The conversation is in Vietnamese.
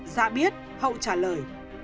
dạ biết hậu trả lời